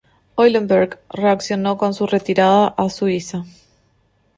Eulenburg reaccionó con su retirada a Suiza.